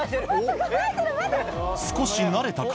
少し慣れたか？